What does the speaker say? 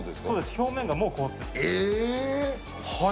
表面がもう凍ってえー？